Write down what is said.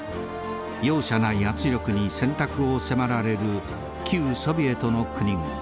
容赦ない圧力に選択を迫られる旧ソビエトの国々。